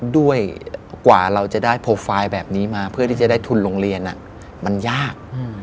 ด้วยกว่าเราจะได้โปรไฟล์แบบนี้มาเพื่อที่จะได้ทุนโรงเรียนมันยาก